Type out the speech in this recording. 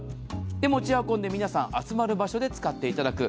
持ち運んで皆さんが集まる場所で使っていただく。